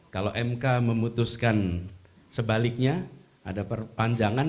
kalau mk memutuskan sebaliknya ada perpanjangan